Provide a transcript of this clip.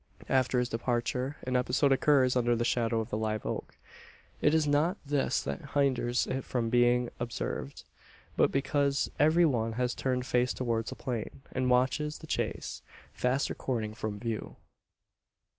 After his departure, an episode occurs under the shadow of the live oak. It is not this that hinders it from being observed; but because every one has turned face towards the plain, and watches the chase, fast receding from view.